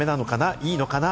いいのかな？